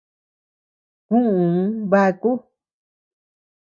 Kuʼuu baku.